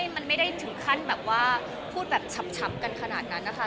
มันไม่ได้ถึงขั้นแบบว่าพูดแบบช้ำกันขนาดนั้นนะคะ